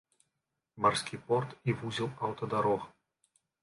Марскі порт і вузел аўтадарог.